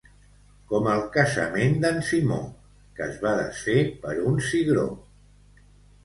Com el casament d'en Simó, que es va desfer per un cigró.